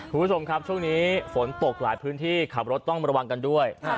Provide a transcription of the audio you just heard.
คุณผู้ชมครับช่วงนี้ฝนตกหลายพื้นที่ขับรถต้องระวังกันด้วย